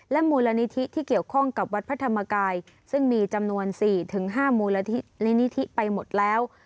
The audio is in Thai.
และมูลละนิทธิธรรมกายที่เกี่ยวข้องกับวัตถมกายซึ่งมีจำนวน๔๕มูลละนิทธิธรรมกายไปหมดแล้ว